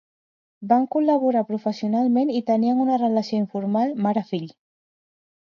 Van col·laborar professionalment i tenien una relació informal mare-fill.